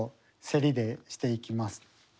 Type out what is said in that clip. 競りでしていきます。